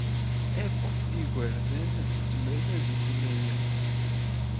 Akk igerdan zemren ad gen aya.